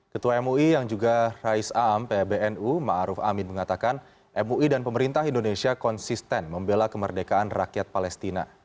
ketua mui yang juga raisa'am pbnu ma'ruf amin mengatakan mui dan pemerintah indonesia konsisten membela kemerdekaan rakyat palestina